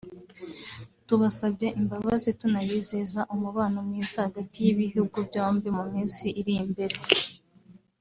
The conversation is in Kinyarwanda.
tubasabye imbabazi tunabizeza umubano mwiza hagati y’ibihugu byombi mu minsi iri imbere